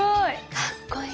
かっこいい。